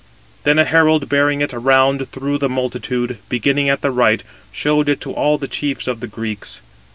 Then a herald bearing it around through the multitude, beginning at the right, showed it to all the chiefs of the Greeks.